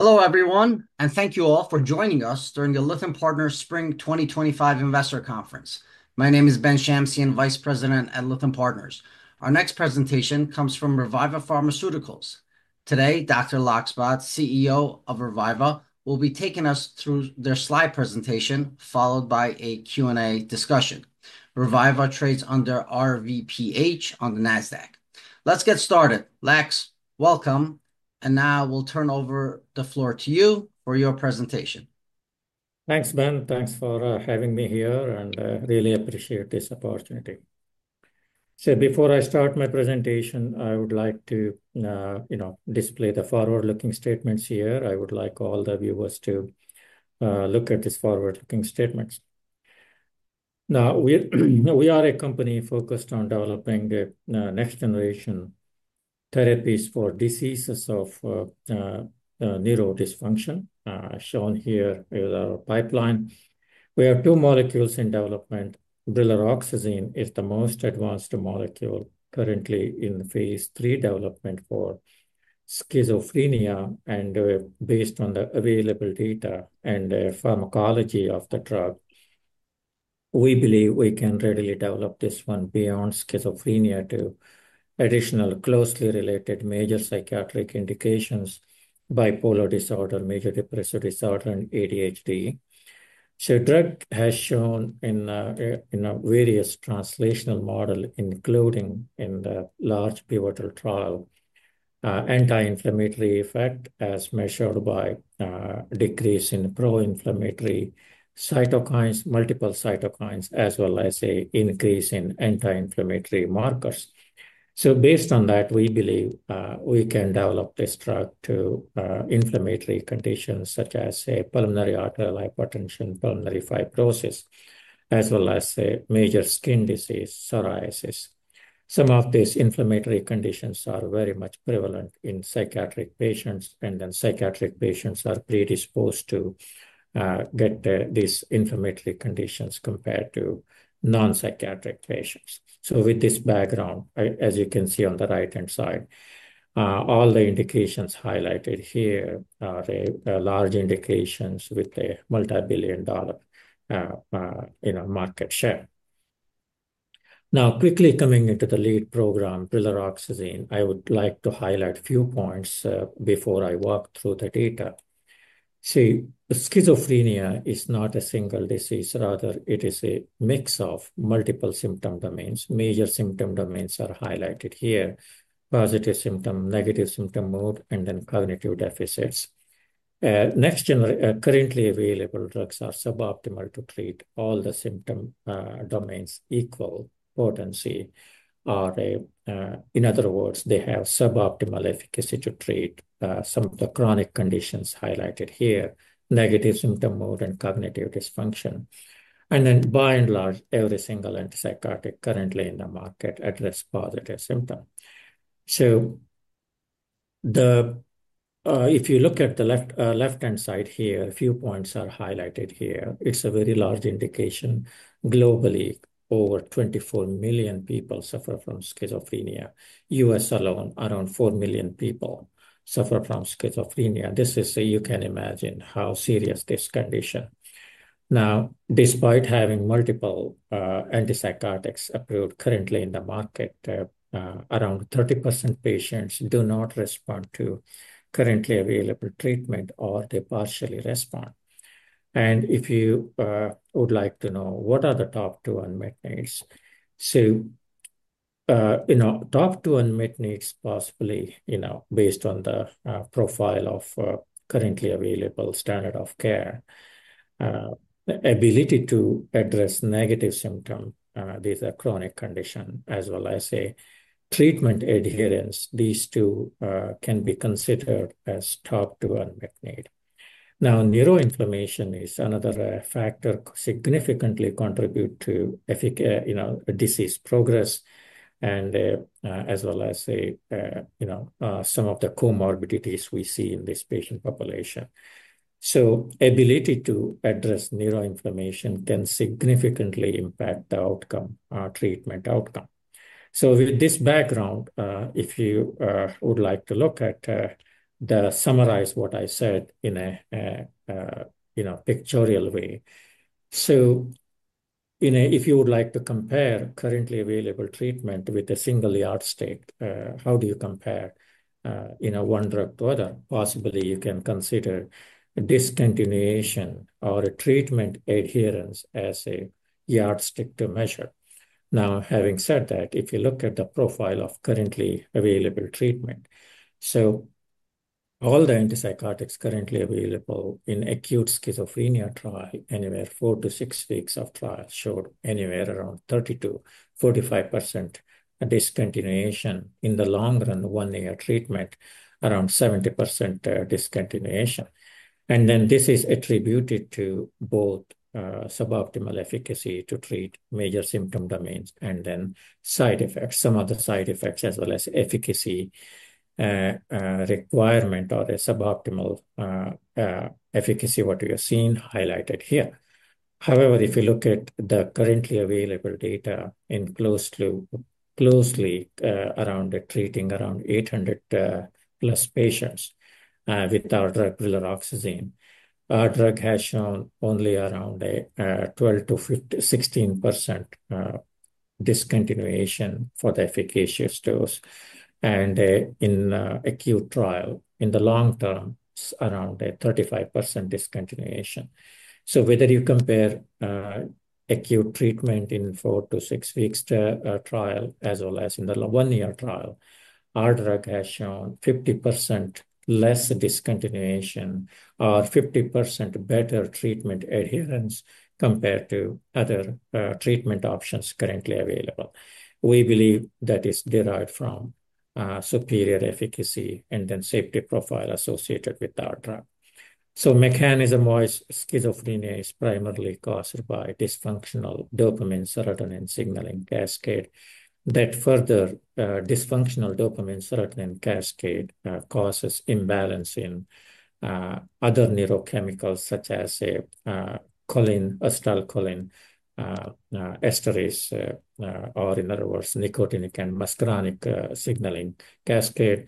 Hello everyone, and thank you all for joining us during the Lytham Partners Spring 2025 Investor Conference. My name is Ben Shamsian, Vice President at Lytham Partners. Our next presentation comes from Reviva Pharmaceuticals. Today, Dr. Lax Bhat, CEO of Reviva, will be taking us through their slide presentation, followed by a Q&A discussion. Reviva trades under RVPH on the Nasdaq. Let's get started. Lax, welcome. And now we'll turn over the floor to you for your presentation. Thanks, Ben. Thanks for having me here, and I really appreciate this opportunity. Before I start my presentation, I would like to, you know, display the forward-looking statements here. I would like all the viewers to look at these forward-looking statements. Now, we are a company focused on developing the next generation therapies for diseases of neurodysfunction, shown here with our pipeline. We have two molecules in development. Brilaroxazine is the most advanced molecule currently in phase III development for schizophrenia, and based on the available data and pharmacology of the drug, we believe we can readily develop this one beyond schizophrenia to additional closely related major psychiatric indications: bipolar disorder, major depressive disorder, and ADHD. The drug has shown in various translational models, including in the large pivotal trial, anti-inflammatory effect as measured by decrease in pro-inflammatory cytokines, multiple cytokines, as well as an increase in anti-inflammatory markers. Based on that, we believe we can develop this drug to inflammatory conditions such as pulmonary arterial hypertension, pulmonary fibrosis, as well as major skin disease, psoriasis. Some of these inflammatory conditions are very much prevalent in psychiatric patients, and psychiatric patients are predisposed to get these inflammatory conditions compared to non-psychiatric patients. With this background, as you can see on the right-hand side, all the indications highlighted here are large indications with the multi-billion dollar, you know, market share. Now, quickly coming into the lead program, Brilaroxazine, I would like to highlight a few points before I walk through the data. See, schizophrenia is not a single disease; rather, it is a mix of multiple symptom domains. Major symptom domains are highlighted here: positive symptom, negative symptom mode, and then cognitive deficits. Next generation, currently available drugs are suboptimal to treat all the symptom domains equal potency. In other words, they have suboptimal efficacy to treat some of the chronic conditions highlighted here: negative symptom mode and cognitive dysfunction. By and large, every single antipsychotic currently in the market addresses positive symptoms. If you look at the left-hand side here, a few points are highlighted here. It's a very large indication. Globally, over 24 million people suffer from schizophrenia. In the U.S. alone, around 4 million people suffer from schizophrenia. This is, you can imagine, how serious this condition is. Now, despite having multiple antipsychotics approved currently in the market, around 30% of patients do not respond to currently available treatment, or they partially respond. If you would like to know what are the top two unmet needs, so, you know, top two unmet needs possibly, you know, based on the profile of currently available standard of care, ability to address negative symptoms, these are chronic conditions, as well as treatment adherence, these two can be considered as top two unmet needs. Now, neuroinflammation is another factor that significantly contributes to, you know, disease progress, and as well as, you know, some of the comorbidities we see in this patient population. The ability to address neuroinflammation can significantly impact the outcome, our treatment outcome. With this background, if you would like to look at the summarize what I said in a, you know, pictorial way. If you would like to compare currently available treatment with a single yardstick, how do you compare, you know, one drug to another? Possibly, you can consider discontinuation or treatment adherence as a yardstick to measure. Now, having said that, if you look at the profile of currently available treatment, all the antipsychotics currently available in the acute schizophrenia trial, anywhere four- to six-week trial showed anywhere around 32%-45% discontinuation. In the long run, one-year treatment, around 70% discontinuation. This is attributed to both suboptimal efficacy to treat major symptom domains and then side effects, some of the side effects, as well as efficacy requirement or suboptimal efficacy, what we have seen highlighted here. However, if you look at the currently available data in close to closely around treating around 800 plus patients with our drug, Brilaroxazine, our drug has shown only around 12%-16% discontinuation for the efficacious dose. In the acute trial, in the long term, around 35% discontinuation. Whether you compare acute treatment in four to six weeks trial as well as in the one-year trial, our drug has shown 50% less discontinuation or 50% better treatment adherence compared to other treatment options currently available. We believe that is derived from superior efficacy and then safety profile associated with our drug. Mechanism-wise, schizophrenia is primarily caused by dysfunctional dopamine-serotonin signaling cascade. That further dysfunctional dopamine-serotonin cascade causes imbalance in other neurochemicals such as choline, acetylcholinesterase, or in other words, nicotinic and muscarinic signaling cascade,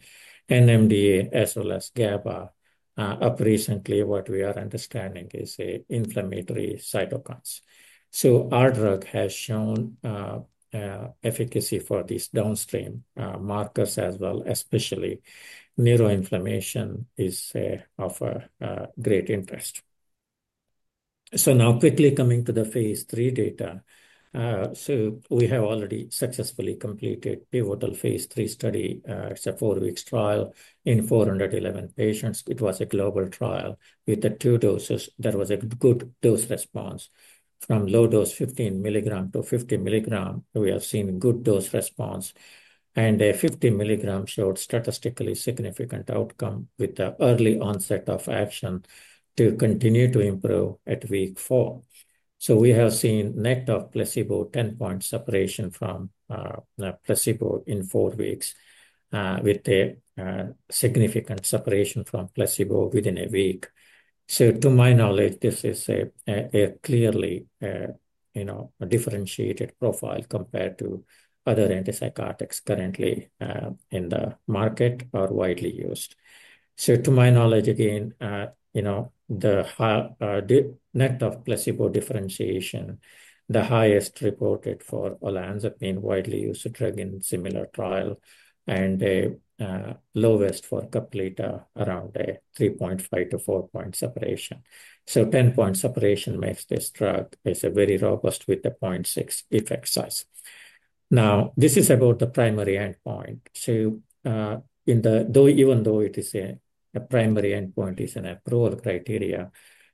NMDA, as well as GABA. Up recently, what we are understanding is inflammatory cytokines. So our drug has shown efficacy for these downstream markers as well, especially neuroinflammation is of great interest. Now quickly coming to the phase III data. We have already successfully completed pivotal phase III study. It is a four-week trial in 411 patients. It was a global trial with two doses. There was a good dose response from low dose 15 milligram to 50 milligram. We have seen good dose response. And 50 milligram showed statistically significant outcome with the early onset of action to continue to improve at week four. We have seen net of placebo 10-point separation from placebo in four weeks with a significant separation from placebo within a week. To my knowledge, this is a clearly, you know, differentiated profile compared to other antipsychotics currently in the market or widely used. To my knowledge, again, you know, the net of placebo differentiation, the highest reported for olanzapine, widely used drug in similar trial, and the lowest for Caplyta, around a 3.5-4-point separation. A 10-point separation makes this drug very robust with a 0.6 effect size. Now, this is about the primary endpoint. Even though it is a primary endpoint, it is an approval criteria.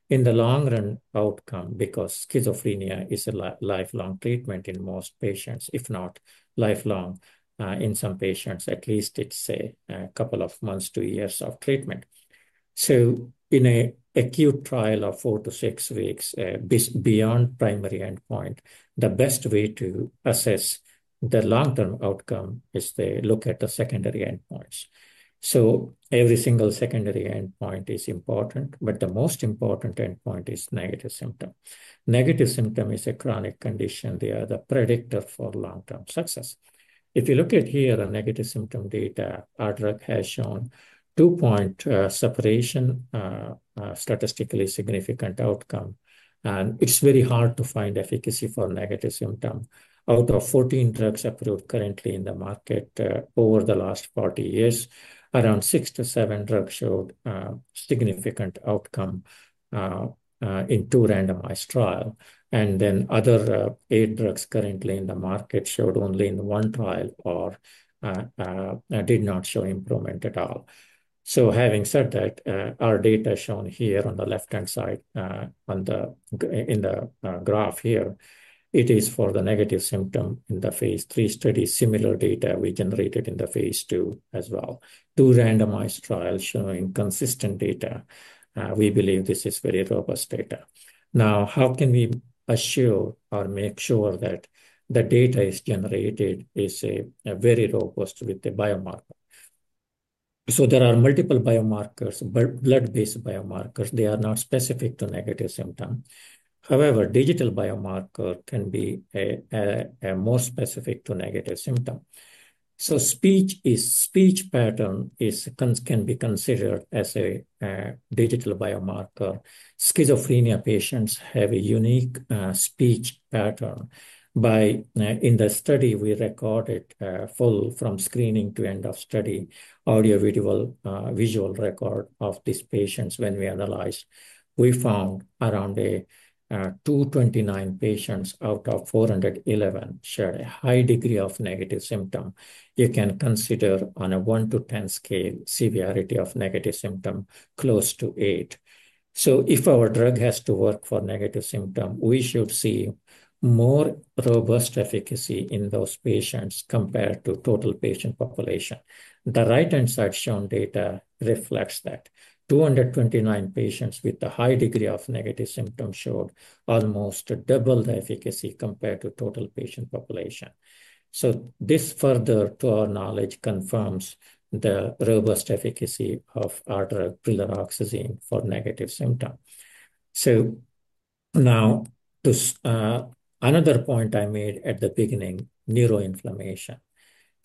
In the long run, outcome, because schizophrenia is a lifelong treatment in most patients, if not lifelong in some patients, at least it is a couple of months to years of treatment. In an acute trial of four to six weeks, beyond primary endpoint, the best way to assess the long-term outcome is to look at the secondary endpoints. Every single secondary endpoint is important, but the most important endpoint is negative symptom. Negative symptom is a chronic condition. They are the predictor for long-term success. If you look at here on negative symptom data, our drug has shown two-point separation, statistically significant outcome. It is very hard to find efficacy for negative symptom. Out of 14 drugs approved currently in the market over the last 40 years, around six to seven drugs showed significant outcome in two randomized trials. The other eight drugs currently in the market showed only in one trial or did not show improvement at all. Having said that, our data shown here on the left-hand side in the graph here, it is for the negative symptom in the phase III study. Similar data we generated in the phase II as well. Two randomized trials showing consistent data. We believe this is very robust data. Now, how can we assure or make sure that the data is generated is very robust with the biomarker? There are multiple biomarkers, blood-based biomarkers. They are not specific to negative symptom. However, digital biomarker can be more specific to negative symptom. Speech pattern can be considered as a digital biomarker. Schizophrenia patients have a unique speech pattern. In the study, we recorded full from screening to end of study, audio-visual record of these patients. When we analyzed, we found around 229 patients out of 411 shared a high degree of negative symptom. You can consider on a 1 to 10 scale severity of negative symptom close to 8. If our drug has to work for negative symptom, we should see more robust efficacy in those patients compared to total patient population. The right-hand side shown data reflects that. 229 patients with a high degree of negative symptom showed almost double the efficacy compared to total patient population. This further, to our knowledge, confirms the robust efficacy of our drug, Brilaroxazine, for negative symptom. Now to another point I made at the beginning, neuroinflammation.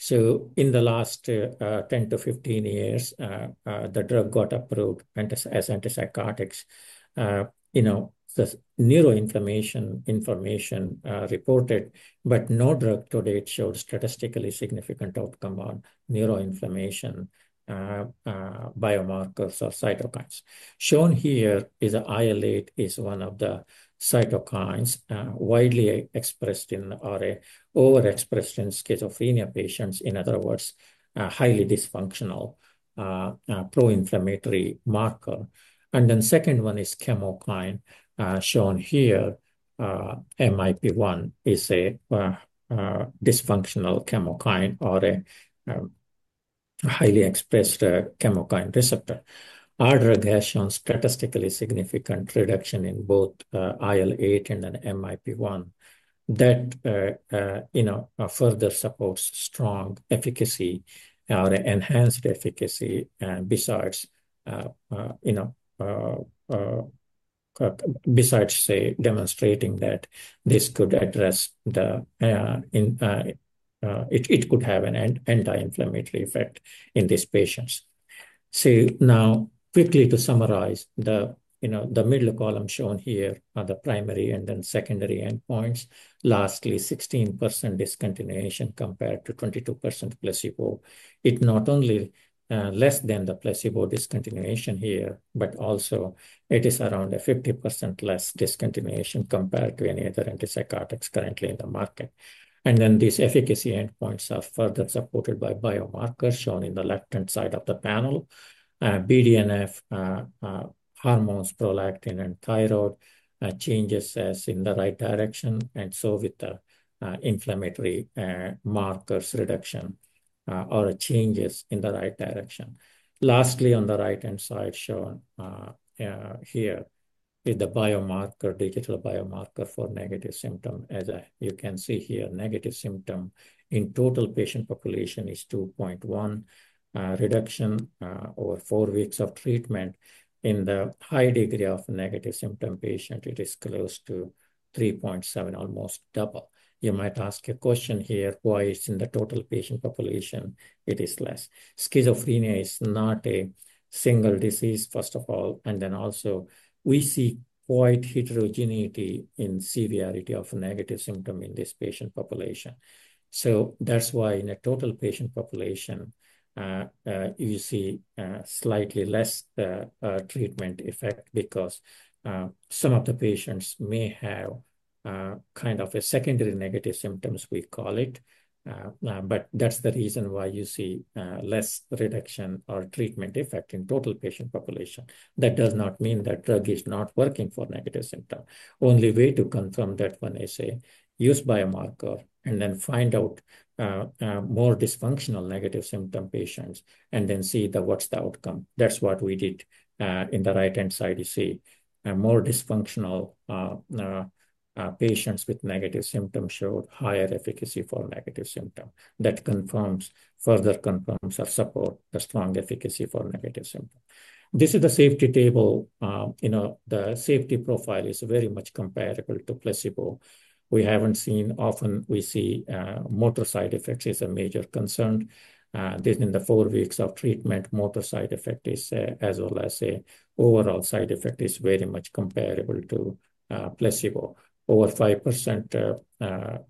In the last 10 to 15 years, the drug got approved as antipsychotics. You know, the neuroinflammation information reported, but no drug to date showed statistically significant outcome on neuroinflammation biomarkers or cytokines. Shown here is IL-8, which is one of the cytokines widely expressed in or overexpressed in schizophrenia patients. In other words, highly dysfunctional pro-inflammatory marker. The second one is chemokine shown here. MIP-1 is a dysfunctional chemokine or a highly expressed chemokine receptor. Our drug has shown statistically significant reduction in both IL-8 and MIP-1. That, you know, further supports strong efficacy or enhanced efficacy besides, you know, besides say demonstrating that this could address the, it could have an anti-inflammatory effect in these patients. Now, quickly to summarize, the, you know, the middle column shown here are the primary and then secondary endpoints. Lastly, 16% discontinuation compared to 22% placebo. It not only less than the placebo discontinuation here, but also it is around a 50% less discontinuation compared to any other antipsychotics currently in the market. These efficacy endpoints are further supported by biomarkers shown in the left-hand side of the panel. BDNF hormones, prolactin and thyroid changes as in the right direction. With the inflammatory markers reduction or changes in the right direction. Lastly, on the right-hand side shown here is the biomarker, digital biomarker for negative symptom. As you can see here, negative symptom in total patient population is 2.1 reduction over four weeks of treatment. In the high degree of negative symptom patient, it is close to 3.7, almost double. You might ask a question here, why is in the total patient population, it is less. Schizophrenia is not a single disease, first of all. Also, we see quite heterogeneity in severity of negative symptom in this patient population. That is why in a total patient population, you see slightly less treatment effect because some of the patients may have kind of a secondary negative symptoms, we call it. That is the reason why you see less reduction or treatment effect in total patient population. That does not mean that drug is not working for negative symptom. Only way to confirm that when I say use biomarker and then find out more dysfunctional negative symptom patients and then see what's the outcome. That's what we did in the right-hand side. You see more dysfunctional patients with negative symptom showed higher efficacy for negative symptom. That confirms, further confirms or supports the strong efficacy for negative symptom. This is the safety table. You know, the safety profile is very much comparable to placebo. We haven't seen, often we see motor side effects is a major concern. In the four weeks of treatment, motor side effect as well as an overall side effect is very much comparable to placebo. Over 5%,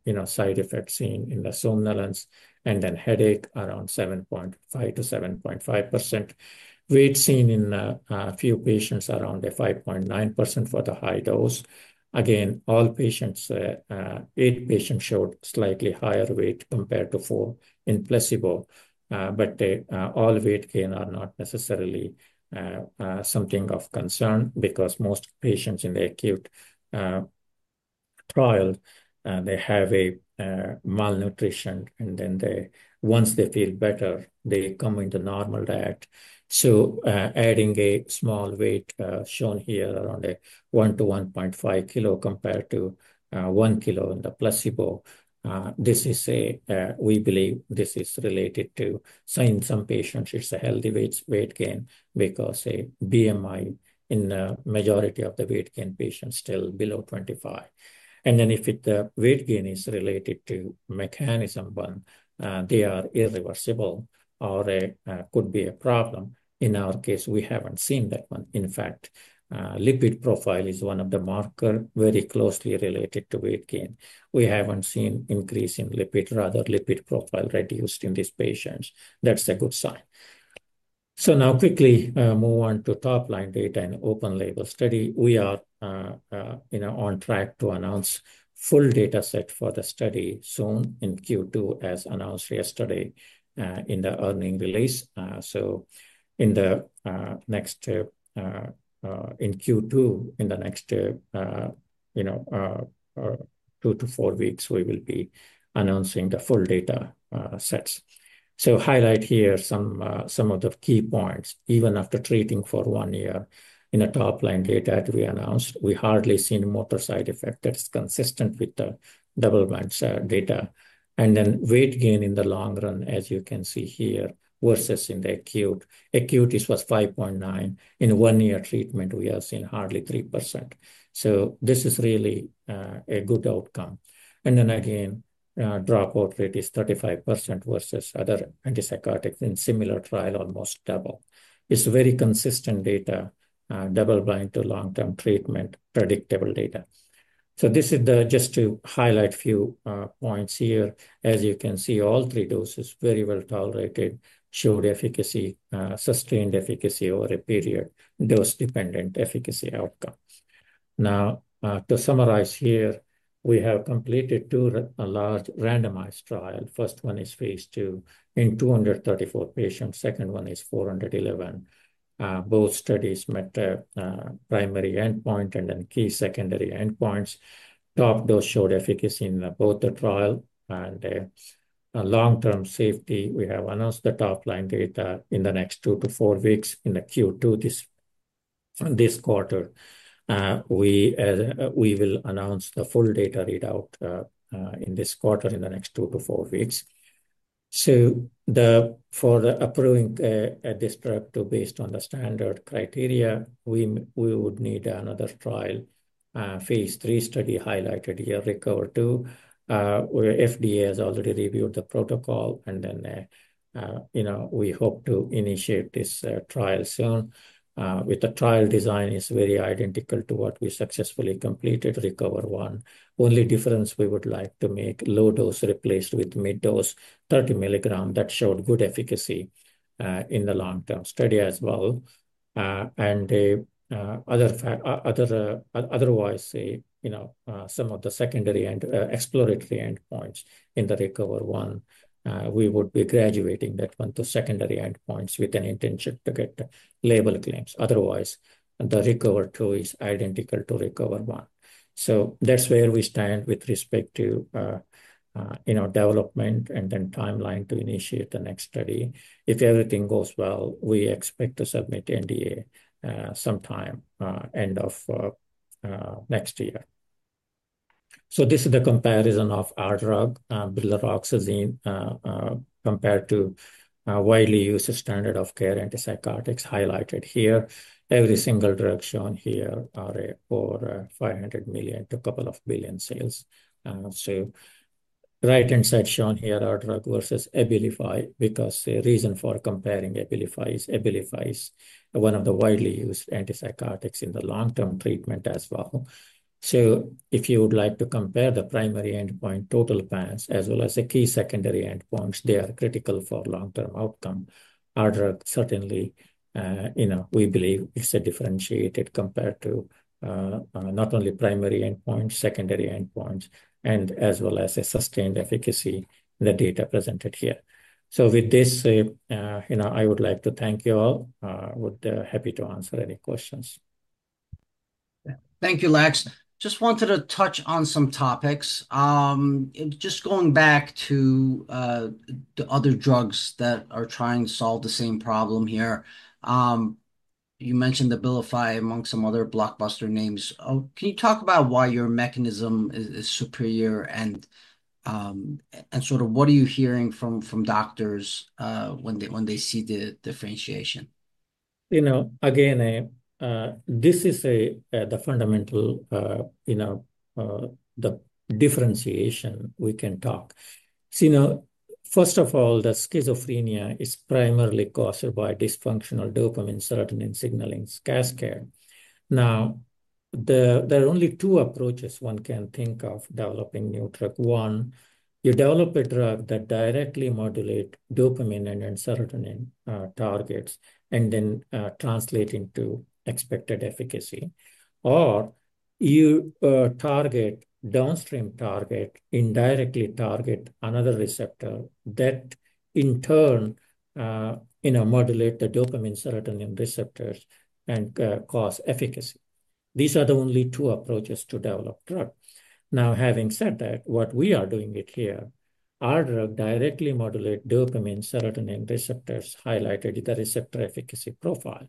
you know, side effects seen in the somnolence and then headache around 7.5%-7.5%. Weight seen in a few patients around 5.9% for the high dose. Again, all patients, eight patients showed slightly higher weight compared to four in placebo. All weight gain are not necessarily something of concern because most patients in the acute trial, they have malnutrition and then once they feel better, they come into normal diet. Adding a small weight shown here around 1 kg to 1.5 kg compared to 1 kg in the placebo. We believe this is related to some patients, it's a healthy weight gain because a BMI in the majority of the weight gain patients still below 25. If the weight gain is related to mechanism one, they are irreversible or could be a problem. In our case, we haven't seen that one. In fact, lipid profile is one of the markers very closely related to weight gain. We haven't seen increase in lipid, rather lipid profile reduced in these patients. That's a good sign. Now quickly move on to top line data and open label study. We are, you know, on track to announce full data set for the study soon in Q2 as announced yesterday in the earning release. In Q2, in the next, you know, two to four weeks, we will be announcing the full data sets. Highlight here some of the key points. Even after treating for one year in a top line data that we announced, we hardly seen motor side effect that is consistent with the double blind data. Weight gain in the long run, as you can see here, versus in the acute. Acute was 5.9. In one year treatment, we have seen hardly 3%. This is really a good outcome. Dropout rate is 35% versus other antipsychotics in similar trial, almost double. It is very consistent data, double blind to long-term treatment, predictable data. This is just to highlight a few points here. As you can see, all three doses very well tolerated, showed efficacy, sustained efficacy over a period, dose-dependent efficacy outcome. Now, to summarize here, we have completed two large randomized trials. First one is phase II in 234 patients. Second one is 411. Both studies met primary endpoint and then key secondary endpoints. Top dose showed efficacy in both the trial and long-term safety. We have announced the top line data in the next two to four weeks in the Q2 this quarter. We will announce the full data readout in this quarter in the next two to four weeks. For approving this drug based on the standard criteria, we would need another trial, phase III study highlighted here, RECOVER-2. FDA has already reviewed the protocol and then, you know, we hope to initiate this trial soon. With the trial design, it's very identical to what we successfully completed, RECOVER-1. Only difference we would like to make, low dose replaced with mid dose 30 milligram. That showed good efficacy in the long-term study as well. Otherwise, you know, some of the secondary and exploratory endpoints in the RECOVER-1, we would be graduating that one to secondary endpoints with an intention to get label claims. Otherwise, the RECOVER-2 is identical to RECOVER-1. That's where we stand with respect to, you know, development and then timeline to initiate the next study. If everything goes well, we expect to submit NDA sometime end of next year. This is the comparison of our drug, Brilaroxazine, compared to widely used standard of care antipsychotics highlighted here. Every single drug shown here are for $500 million to a couple of billion sales. Right-hand side shown here are drug versus Abilify because the reason for comparing Abilify is Abilify is one of the widely used antipsychotics in the long-term treatment as well. If you would like to compare the primary endpoint total paths as well as the key secondary endpoints, they are critical for long-term outcome. Our drug certainly, you know, we believe it's differentiated compared to not only primary endpoints, secondary endpoints, and as well as a sustained efficacy in the data presented here. With this, you know, I would like to thank you all. I would be happy to answer any questions. Thank you, Lax. Just wanted to touch on some topics. Just going back to the other drugs that are trying to solve the same problem here. You mentioned Abilify among some other blockbuster names. Can you talk about why your mechanism is superior and sort of what are you hearing from doctors when they see the differentiation? You know, again, this is the fundamental, you know, the differentiation we can talk. You know, first of all, the schizophrenia is primarily caused by dysfunctional dopamine–serotonin signaling. Now, there are only two approaches one can think of developing new drug. One, you develop a drug that directly modulates dopamine and serotonin targets and then translates into expected efficacy. Or you target downstream target, indirectly target another receptor that in turn, you know, modulates the dopamine–serotonin receptors and causes efficacy. These are the only two approaches to develop drugs. Now, having said that, what we are doing here, our drug directly modulates dopamine–serotonin receptors highlighted in the receptor efficacy profile.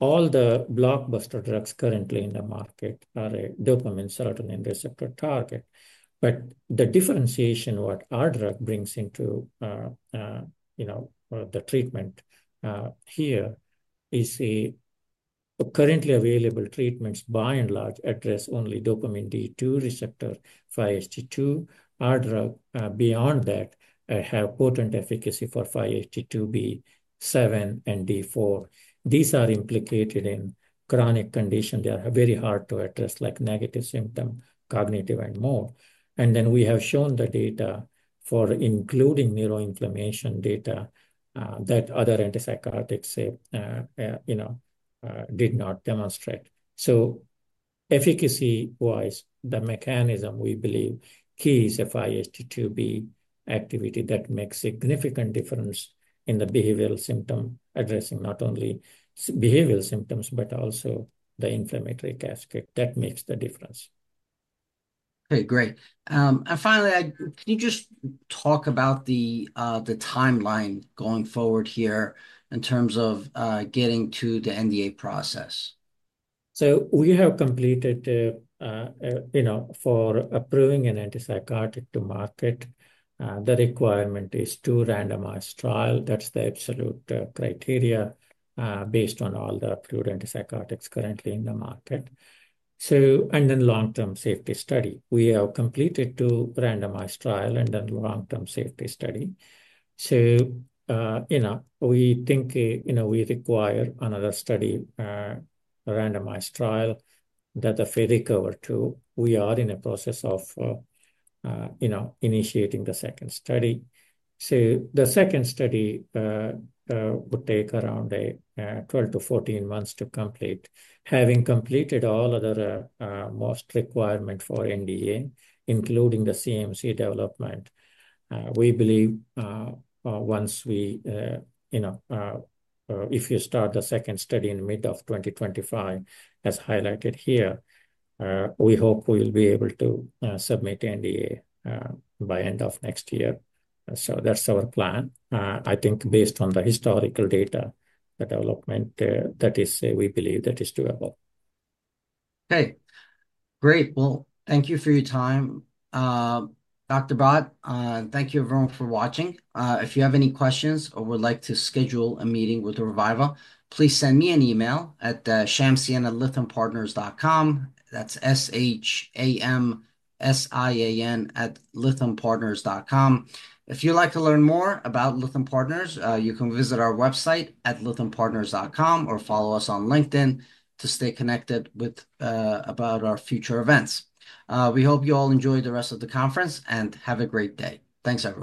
All the blockbuster drugs currently in the market are a dopamine–serotonin receptor target. The differentiation what our drug brings into, you know, the treatment here is the currently available treatments by and large address only dopamine D2 receptor 5-HT2. Our drug, beyond that, has potent efficacy for 5HT2B7 and D4. These are implicated in chronic conditions. They are very hard to address, like negative symptom, cognitive, and more. We have shown the data for including neuroinflammation data that other antipsychotics, you know, did not demonstrate. Efficacy-wise, the mechanism we believe key is the 5HT2B activity that makes a significant difference in the behavioral symptom, addressing not only behavioral symptoms, but also the inflammatory casket that makes the difference. Okay, great. Finally, can you just talk about the timeline going forward here in terms of getting to the NDA process? We have completed, you know, for approving an antipsychotic to market, the requirement is two randomized trials. That is the absolute criteria based on all the approved antipsychotics currently in the market. Then long-term safety study. We have completed two randomized trials and then long-term safety study. You know, we think, you know, we require another study, randomized trial that the FDA RECOVER-2. We are in the process of, you know, initiating the second study. The second study would take around 12-14 months to complete. Having completed all other most requirements for NDA, including the CMC development, we believe once we, you know, if you start the second study in mid of 2025, as highlighted here, we hope we'll be able to submit NDA by end of next year. That is our plan. I think based on the historical data, the development that is, we believe that is doable. Okay. Great. Thank you for your time. Dr. Bhat, thank you everyone for watching. If you have any questions or would like to schedule a meeting with Reviva, please send me an email at shamsian@lythampartners.com. That is shamsian@lythampartners.com. If you'd like to learn more about Lytham Partners, you can visit our website at lythampartners.com or follow us on LinkedIn to stay connected about our future events. We hope you all enjoy the rest of the conference and have a great day. Thanks everyone.